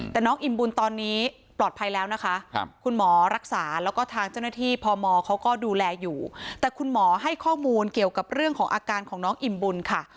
แต่น้องอิ่มบุญตอนนี้ปลอดภัยแล้วนะคะคุณหมอรักษาแล้วก็ทางเจ้าหน้าที่พมเขาก็ดูแลอยู่แต่คุณหมอให้ข้อมูลเกี่ยวกับเรื่องของอาการของน้องอิ่มบุญค่ะ